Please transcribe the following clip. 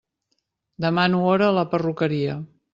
Demano hora a la perruqueria.